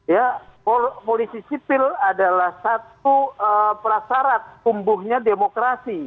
ya polisi sipil adalah satu prasarat tumbuhnya demokrasi